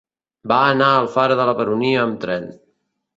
Va anar a Alfara de la Baronia amb tren.